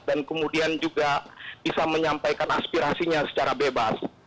dan kemudian juga bisa menyampaikan aspirasinya secara bebas